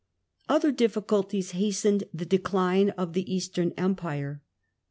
Other difficulties hastened the Numerous decline of the Eastern Empire.